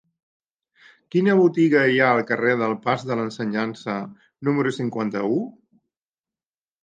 Quina botiga hi ha al carrer del Pas de l'Ensenyança número cinquanta-u?